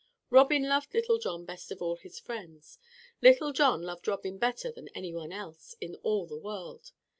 Robin loved Little John best of all his friends. Little John loved Robin better than any one else in all the world.